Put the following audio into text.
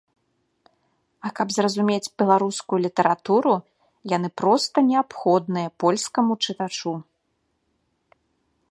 А каб зразумець беларускую літаратуру, яны проста неабходныя польскаму чытачу.